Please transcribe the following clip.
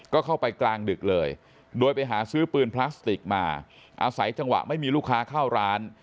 ก็เข้าไปกลางดึกเลยโดยไปหาซื้อปืนพลาสติกมาอาศัยจังหวะไม่มีลูกค้าเข้าร้าน